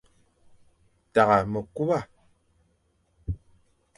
Tagha mekuba.